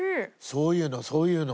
そういうのそういうの。